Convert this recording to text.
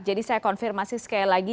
jadi saya konfirmasi sekali lagi